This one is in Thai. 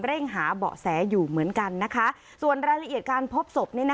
เร่งหาเบาะแสอยู่เหมือนกันนะคะส่วนรายละเอียดการพบศพ